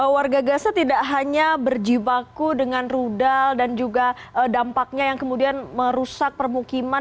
warga gaza tidak hanya berjibaku dengan rudal dan juga dampaknya yang kemudian merusak permukiman